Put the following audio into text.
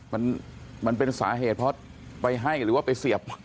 มันมันเป็นสาเหตุเพราะไปให้หรือว่าไปเสียบ